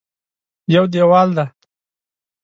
یو دېوال دی.